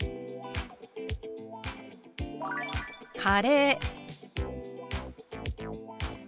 「カレー」。